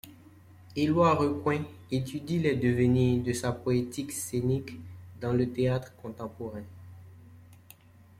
Éloi Recoing étudie les devenirs de sa poétique scénique dans le théâtre contemporain.